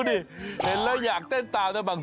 เดินหน้าสองก้าวถอยหลัง